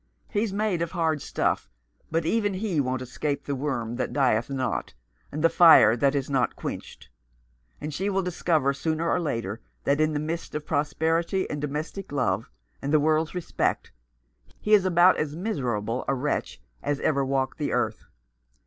He's made of hard stuff, but even he won't escape the worm that dieth not, and the fire that is not quenched ; and she will discover sooner or later that in the midst of prosperity and domestic love, and the world's respect, he is about as miserable a wretch as ever walked the earth.